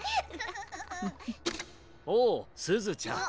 おおすずちゃん。